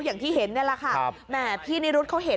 อย่างที่เห็นเนี่ยละคะแม่พี่ในรถเขาเห็น